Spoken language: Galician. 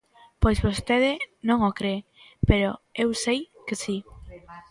Pois vostede non o cre, pero eu sei que si.